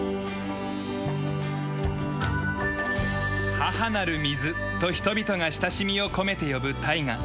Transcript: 「母なる水」と人々が親しみを込めて呼ぶ大河。